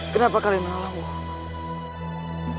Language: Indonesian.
kenapa kalian malam